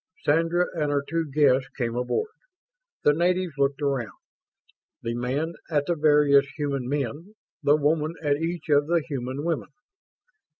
Sandra and her two guests came aboard. The natives looked around; the man at the various human men, the woman at each of the human women.